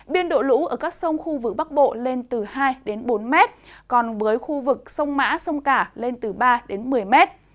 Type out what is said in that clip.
biên độ lũ ở các sông khu vực bắc bộ lên từ hai bốn mét còn với khu vực sông mã sông cả lên từ ba đến một mươi m